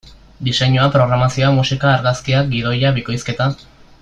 Diseinua, programazioa, musika, argazkiak, gidoia, bikoizketa...